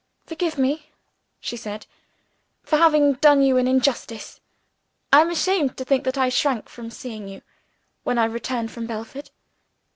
"Forgive me," she said, "for having done you an injustice. I am ashamed to think that I shrank from seeing you when I returned from Belford."